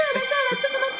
ちょっと待って。